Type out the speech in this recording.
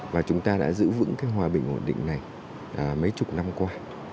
và chúng ta đã giữ vững cái hòa bình ổn định này mấy chục năm qua